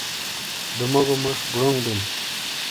دوموگو موج گڑونگ بل